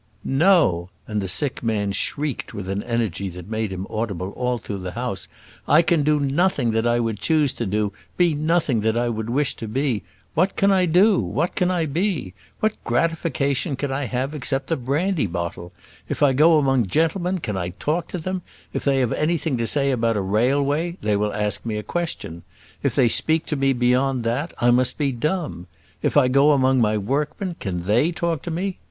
"No," and the sick man shrieked with an energy that made him audible all through the house. "I can do nothing that I would choose to do; be nothing that I would wish to be! What can I do? What can I be? What gratification can I have except the brandy bottle? If I go among gentlemen, can I talk to them? If they have anything to say about a railway, they will ask me a question: if they speak to me beyond that, I must be dumb. If I go among my workmen, can they talk to me?